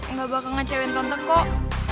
nggak bakal ngecewin tante kok